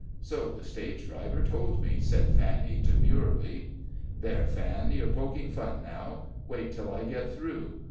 "So the stage driver told me," said Fanny, demurely. "There, Fan, you're poking fun now. Wait till I get through.